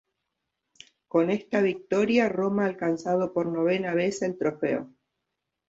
Con esta victoria, Roma ha alcanzando por novena vez el trofeo.